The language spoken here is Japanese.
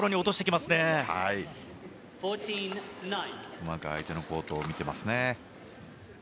うまく相手のコートを見ていますね。